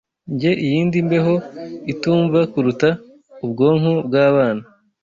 Njye iyindi mbeho itumva kuruta ubwonko bwabana